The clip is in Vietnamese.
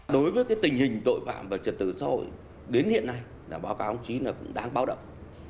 đối với tình hình tội phạm và trật tự xã hội đến hiện nay báo cáo chí cũng đáng báo động